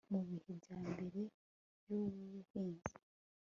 mu bihe bya mbere by'ubuhunzi (-